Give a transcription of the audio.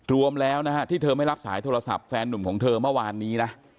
รวมแล้วนะฮะที่เธอไม่รับสายโทรศัพท์แฟนหนุ่มของเธอเมื่อวานนี้นะ